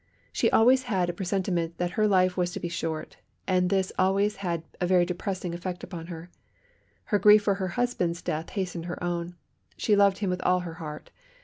She always had a presentiment that her life was to be short, and this always had a very depressing effect upon her. Her grief for her husband's death hastened her own. She loved him with all her heart.